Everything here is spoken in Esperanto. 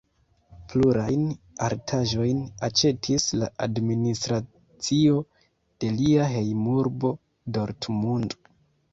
Plurajn artaĵojn aĉetis la administracio de lia hejmurbo Dortmund.